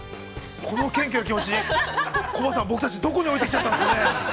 ◆この謙虚な気持ちコバさん、僕たちはどこに置いてきちゃったんでしょうね。